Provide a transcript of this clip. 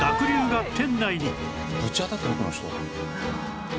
ぶち当たった奥の人。